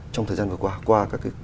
trong thời gian vừa qua